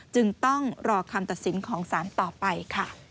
จึงต้องรอคำตัดสินของสารต่อไปค่ะ